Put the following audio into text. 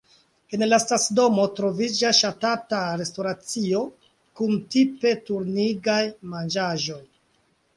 En la stacidomo troviĝas ŝatata restoracio kun tipe turingiaj manĝaĵoj.